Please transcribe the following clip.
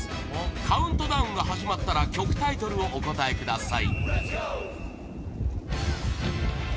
カウントダウンが始まったら曲タイトルをお答えください